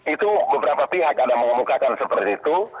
itu beberapa pihak ada mengemukakan seperti itu